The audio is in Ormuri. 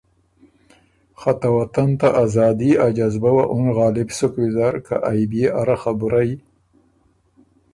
خه ته وطن ته ازادی ا جدبۀ وه اُن غالب سُک ویزر که ائ بيې اره خبُرئ